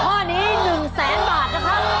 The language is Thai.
หัวข้อนี้หนึ่งแสนบาทครับครับ